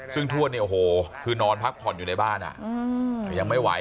ซึ่งทวดเนี่ยโอ้โหคือนอนพักผ่อนอยู่ในบ้านยังไม่ไหว